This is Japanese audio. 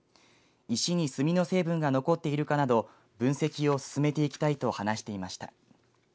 石に墨の成分が残っているかなど分析を進めていきたいと話していました。